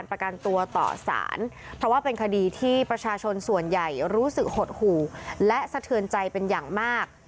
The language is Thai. ประชาชนส่วนใหญ่รู้สึกหดหูและสะเทือนใจเป็นอย่างมาก